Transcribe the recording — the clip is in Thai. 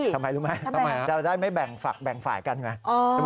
ทำไมรู้ไหมจะได้ไม่แบ่งฝักแบ่งฝ่ายกันไง